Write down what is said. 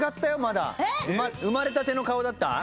生まれたての顔だった？